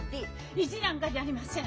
意地なんかじゃありません！